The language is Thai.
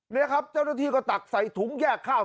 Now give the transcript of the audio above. นี่ครับเจ้าหน้าที่ก็ตักใส่ถุงแยกข้าว